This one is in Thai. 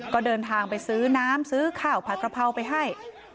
ก็เดินทางไปซื้อน้ำซื้อข้าวผัดกระเพราไปให้